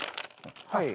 はい。